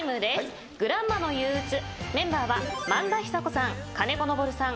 『グランマの憂鬱』メンバーは萬田久子さん金子昇さん